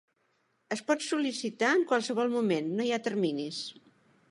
Es pot sol·licitar en qualsevol moment, no hi ha terminis.